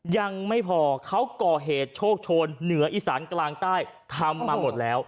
ยังไม่พอเขาก่อเหตุโชคโชนเหนืออีสานกลางใต้ทำมาหมดแล้ว